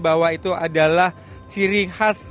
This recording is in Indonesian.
bahwa itu adalah ciri khas